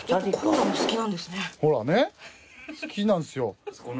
ほらね好きなんすよ。